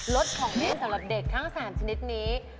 รถของเล่นสำหรับเด็กทั้งสามชนิดนี้